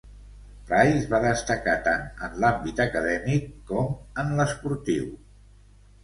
Price va destacar tant en l'àmbit acadèmic com en l'esportiu.